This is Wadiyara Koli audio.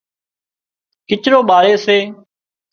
ڪچرو ٻاۯي سي